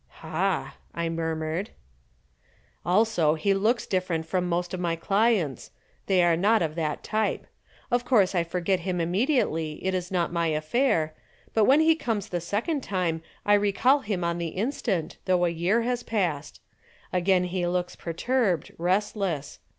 "Ha!" I murmured. "Also he looks different from most of my clients. They are not of that type. Of course I forget him immediately it is not my affair. But when he comes the second time I recall him on the instant, though a year has passed. Again he looks perturbed, restless.